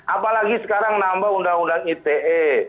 apalagi sekarang nambah undang undang ite